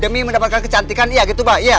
demi mendapatkan kecantikan iya gitu pak